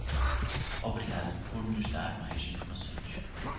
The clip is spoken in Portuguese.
Obrigado por nos dar mais informações.